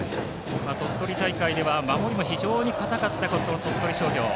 鳥取大会では守りが非常に堅かった鳥取商業。